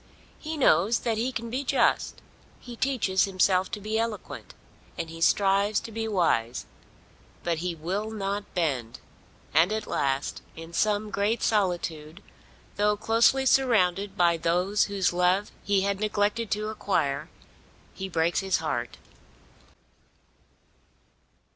He knows that he can be just, he teaches himself to be eloquent, and he strives to be wise. But he will not bend; and at last, in some great solitude, though closely surrounded by those whose love he had neglected to acquire, he breaks his heart.